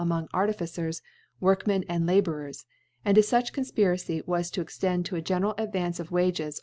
among Artificers, Wdrkmen^ and La^ bourers •, alnd if fuch Confpiracy wa9 to» extend to a gencraf Advance of Wages ♦ B>.